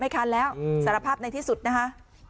คันแล้วสารภาพในที่สุดนะคะ